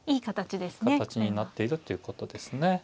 形になっているっていうことですね。